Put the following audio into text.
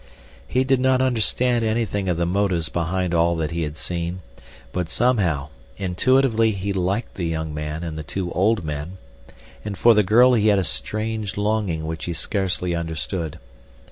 He did not understand anything of the motives behind all that he had seen; but, somehow, intuitively he liked the young man and the two old men, and for the girl he had a strange longing which he scarcely understood.